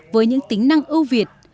với những tính năng ưu việt